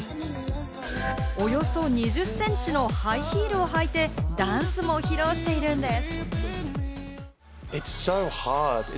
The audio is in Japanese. およそ２０センチのハイヒールを履いてダンスも披露しているんです。